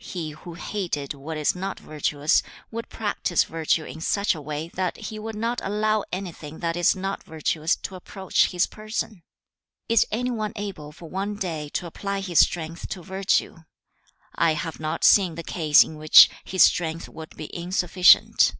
He who hated what is not virtuous, would practise virtue in such a way that he would not allow anything that is not virtuous to approach his person. 2. 'Is any one able for one day to apply his strength to virtue? I have not seen the case in which his strength would be insufficient.